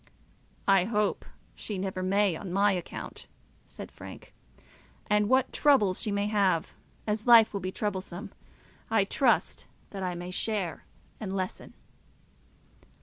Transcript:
"I hope she never may, on my account," said Frank. "And what troubles she may have, as life will be troublesome, I trust that I may share and lessen."